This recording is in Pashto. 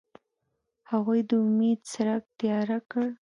هغوی د امید څرک تیاره کړ.